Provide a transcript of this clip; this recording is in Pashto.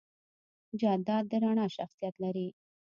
جانداد د رڼا شخصیت لري.